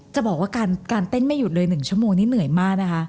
จะบอกว่าการเต้นไม่หยุดเลย๑ชั่วโมงนี้เหนื่อยมากนะคะ